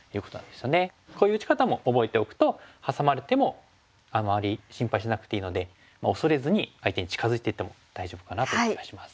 こういう打ち方も覚えておくとハサまれてもあまり心配しなくていいので恐れずに相手に近づいていっても大丈夫かなという気がします。